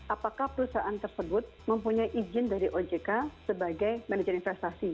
apakah perusahaan tersebut mempunyai izin dari ojk sebagai manajer investasi